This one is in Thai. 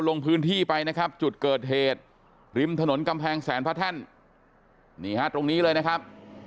ลงพื้นที่ไปนะครับจุดเกิดเหตุริมถนนกำแพงแสนพระแท่นนี่ฮะตรงนี้เลยนะครับ